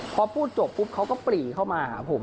พอพูดจบปุ๊บเขาก็ปรีเข้ามาหาผม